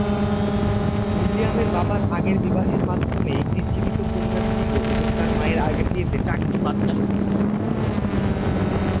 উইলিয়ামের বাবার আগের বিবাহের মাধ্যমে একটি জীবিত কন্যা ছিল এবং তার মায়ের আগের বিয়েতে চারটি বাচ্চা সন্তান ছিল।